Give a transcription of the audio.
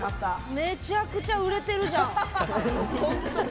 めちゃくちゃ売れてるじゃん。